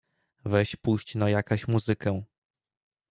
Weź puść no jakaś muzykę.